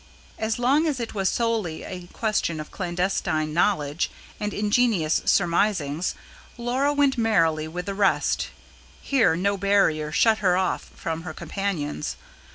As long as it was solely a question of clandestine knowledge and ingenious surmisings, Laura went merrily with the rest: here no barrier shut her off from her companions.